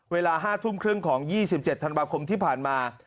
เวลา๕ทุ่มครึ่งของ๒๗ธันวาคมที่ผ่านมา